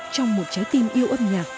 trong một trái tim yêu âm nhạc